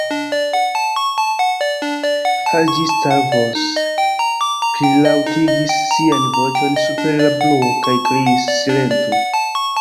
Haĝi-Stavros plilaŭtigis sian voĉon super la bruo kaj kriis: "Silentu!"